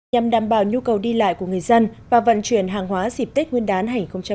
nhằm đảm bảo nhu cầu đi lại của người dân và vận chuyển hàng hóa dịp tết nguyên đán hai nghìn hai mươi